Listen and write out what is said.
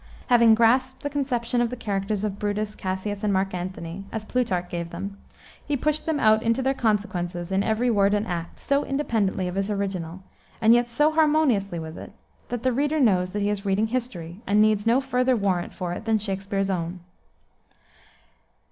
Having grasped the conception of the characters of Brutus, Cassius, and Mark Anthony, as Plutarch gave them, he pushed them out into their consequences in every word and act, so independently of his original, and yet so harmoniously with it, that the reader knows that he is reading history, and needs no further warrant for it than Shakspere's own.